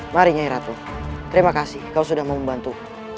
mari nyai ratu terima kasih kau sudah mau membantu